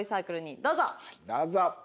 どうぞ！